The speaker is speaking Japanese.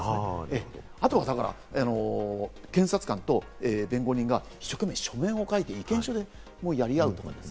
あとは検察官と弁護人が一生懸命、書面を書いて意見書をやり合う。